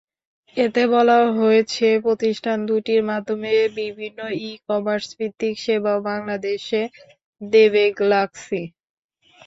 এতে বলা হয়েছে, প্রতিষ্ঠান দুটির মাধ্যমে বিভিন্ন ই-কমার্সভিত্তিক সেবাও বাংলাদেশে দেবে গ্যালাক্সি।